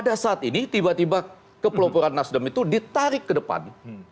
pada saat ini tiba tiba kepeloporan nasdem itu ditarik ke depan